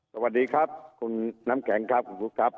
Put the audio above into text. สวัสดีครับคุณน้ำแข็งครับคุณบุ๊คครับ